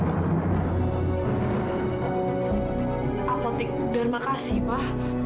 apotek terima kasih pak